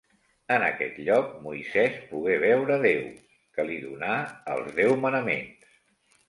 En aquest lloc, Moisès pogué veure Déu, qui li donà els Deu Manaments.